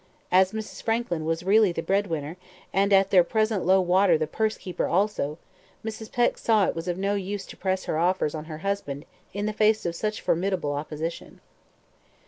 As Mrs. Frankland was really the bread winner, and at their present low water the purse keeper also, Mrs. Peck saw it was of no use to press her offers on her husband in the face of such formidable opposition.